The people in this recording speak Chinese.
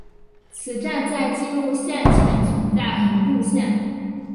此站在进入线前存在横渡线。